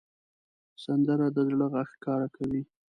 سندره د زړه غږ ښکاره کوي